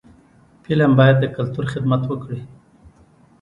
فلم باید د کلتور خدمت وکړي